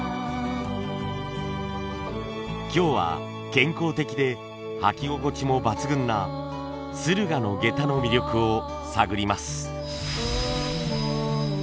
今日は健康的で履き心地も抜群な駿河の下駄の魅力を探ります。